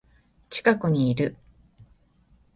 近くにいる